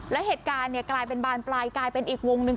แล้วเหตุการณ์กลายเป็นบานปลายกลายเป็นอีกวงหนึ่ง